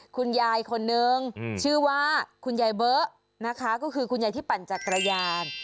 คุณยายคนนึงชื่อว่าคุณยายเบอร์นะคะก็คือคุณยายที่ปั่นจักรยาน